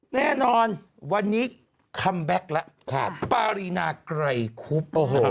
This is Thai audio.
แน่นอนวันนี้คัมแบ็คแล้วปารีนาไกรคุบ